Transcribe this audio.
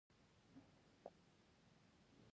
دوه دیرش کلنو ښځو ته د رایې ورکولو حق ورکړ.